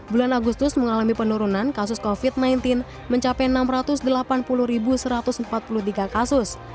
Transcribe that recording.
bulan agustus mengalami penurunan kasus covid sembilan belas mencapai enam ratus delapan puluh satu ratus empat puluh tiga kasus